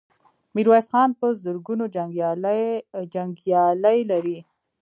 ميرويس خان په زرګونو جنګيالي لري.